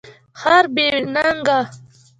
خر بی نګه